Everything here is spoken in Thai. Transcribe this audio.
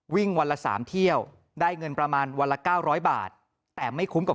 วิ่งวันละ๓เที่ยวได้เงินประมาณวันละ๙๐๐บาทแต่ไม่คุ้มกับ